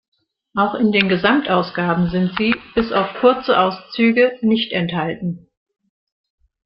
Auch in den Gesamtausgaben sind sie, bis auf kurze Auszüge, nicht enthalten.